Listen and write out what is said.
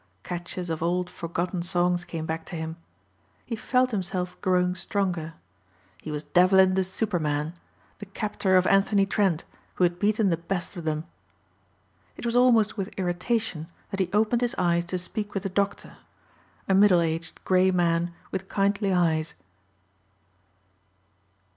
Catches of old forgotten songs came back to him. He felt himself growing stronger. He was Devlin the superman, the captor of Anthony Trent who had beaten the best of them. It was almost with irritation that he opened his eyes to speak with the doctor, a middle aged, gray man with kindly eyes.